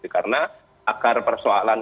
karena akar persoalan